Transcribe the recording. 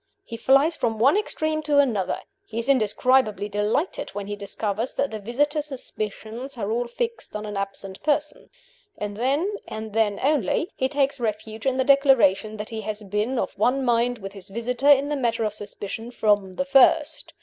He flies from one extreme, to another; he is indescribably delighted when he discovers that the visitor's suspicions are all fixed on an absent person. And then, and then only, he takes refuge in the declaration that he has been of one mind with his visitor, in the matter of suspicion, from the first.